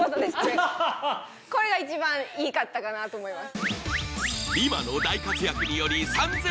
これが一番いいかったかなと思います。